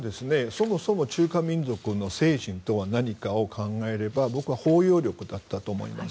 そもそも中華民族の精神とは何かを考えれば僕は包容力だったと思います。